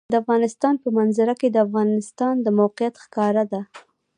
د افغانستان په منظره کې د افغانستان د موقعیت ښکاره ده.